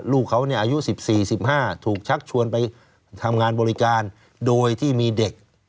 ลูกเขาอายุ๑๔๑๕ถูกชักชวนไปทำงานบริการโดยที่มีเด็ก